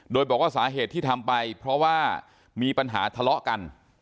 โดยบอกว่าสาเหตุที่ทำไปเพราะว่ามีปัญหาทะเลาะกัน